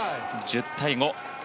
１０対５。